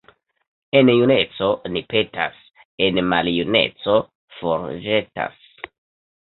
En juneco ni petas, en maljuneco forĵetas.